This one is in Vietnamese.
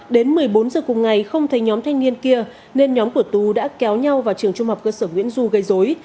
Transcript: đến một mươi bốn giờ cùng ngày không thấy nhóm thanh niên kia nên nhóm của tú đã kéo nhau vào trường trung học cơ sở nguyễn du gây dối